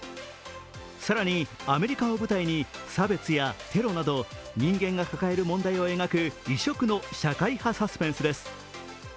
更にアメリカを舞台に差別やテロなど人間が抱える問題を描く異色の社会派サスペンスです。